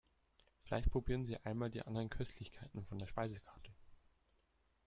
Vielleicht probieren Sie einmal die anderen Köstlichkeiten von der Speisekarte.